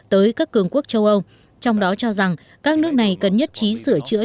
tới các cường quốc châu âu trong đó cho rằng các nước này cần nhất trí sửa chữa